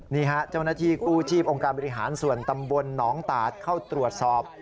นี่ฮะเจ้าหน้าที่กู้ชีพองค์การบริหารส่วนตำบลหนองตาดเข้าตรวจสอบ